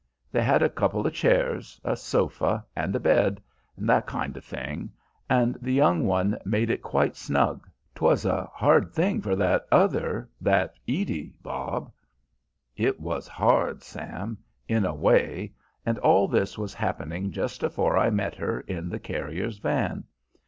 They had a couple of chairs, a sofa, and a bed and that kind of thing, and the young one made it quite snug." "'Twas a hard thing for that other, that Edie, Bob." "It was hard, Sam, in a way, and all this was happening just afore I met her in the carrier's van.